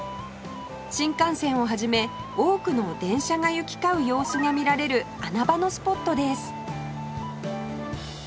新幹線を始め多くの電車が行き交う様子が見られる穴場のスポットです